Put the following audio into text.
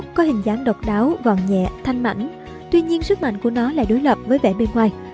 btrd bốn mươi một có hình dáng độc đáo gọn nhẹ thanh mảnh tuy nhiên sức mạnh của nó lại đối lập với vẻ bên ngoài